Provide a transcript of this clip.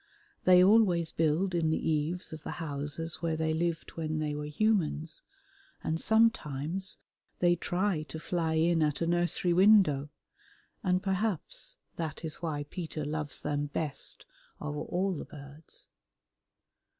They always build in the eaves of the houses where they lived when they were humans, and sometimes they try to fly in at a nursery window, and perhaps that is why Peter loves them best of all the birds.